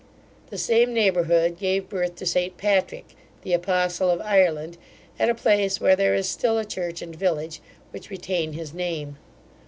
The same neighbourhood gave birth to St Patrick, the apostle of Ireland, at a place where there is still a church and village, which retain his name.